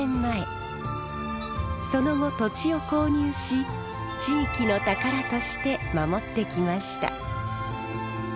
その後土地を購入し地域の宝として守ってきました。